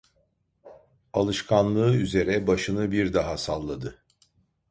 Alışkanlığı üzere başını bir daha salladı…